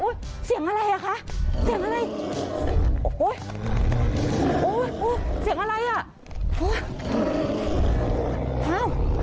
เสียงอะไรอ่ะคะเสียงอะไรโอ้โหเสียงอะไรอ่ะ